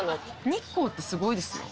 日光ってすごいですよ。